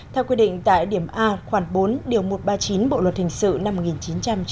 theo quy định tại điểm a khoảng bốn điều một trăm ba mươi chín bộ luật hình sự năm một nghìn chín trăm chín mươi năm